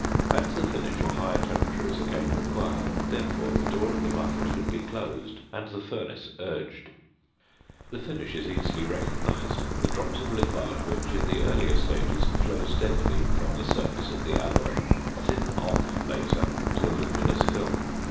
At the finish a higher temperature is again required: therefore the door of the muffle should be closed and the furnace urged. The finish is easily recognised. The drops of litharge which in the earlier stages flow steadily from the surface of the alloy, thin off later to a luminous film.